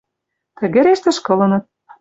Тӹгӹреш тышкылыныт